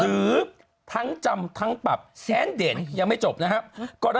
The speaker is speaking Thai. หรือทั้งจำทั้งปรับแสนเด่นยังไม่จบนะครับ